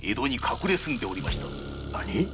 何！